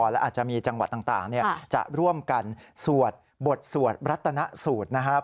และอาจจะมีจังหวัดต่างจะร่วมกันสวดบทสวดรัตนสูตรนะครับ